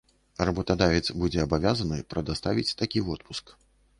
Работадавец будзе абавязаны прадаставіць такі водпуск.